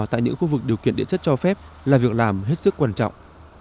tại những khu vực điều kiện địa chất cho phép là việc làm hết sức quan trọng